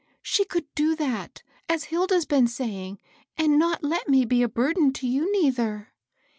" She could do that, as Hilda's been saying, and not let: me be a burden to you, neither."